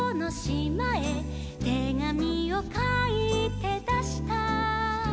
「てがみをかいてだした」